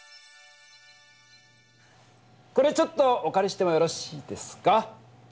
これちょっとおかりしてもよろしいですか？